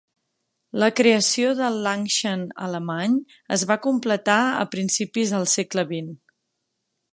La creació del Langshan alemany es va completar a principis del segle XX.